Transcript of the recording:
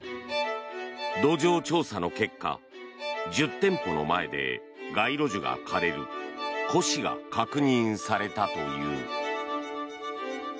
土壌調査の結果１０店舗の前で街路樹が枯れる枯死が確認されたという。